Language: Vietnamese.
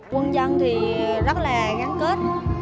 quân dân rất là ngắn kết